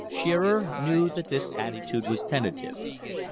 Shearer knew that this attitude was tentative.